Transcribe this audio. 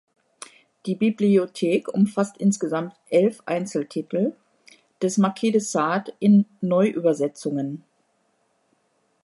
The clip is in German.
Die Bibliothek umfasst insgesamt elf Einzeltitel des Marquis de Sade in Neuübersetzungen.